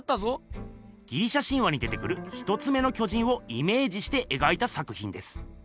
ギリシャ神話に出てくる一つ目の巨人をイメージして描いた作ひんです。